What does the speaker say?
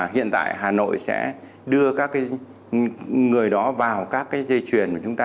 hiện tại hà nội sẽ đưa các người đó vào các dây chuyển của chúng ta